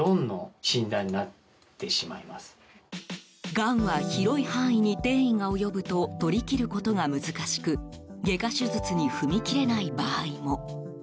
がんは広い範囲に転移が及ぶと取り切ることが難しく外科手術に踏み切れない場合も。